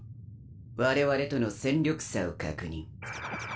我々との戦力差を確認。